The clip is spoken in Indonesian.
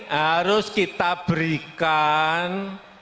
harus kita berikan